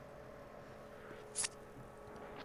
Kana Kobayashi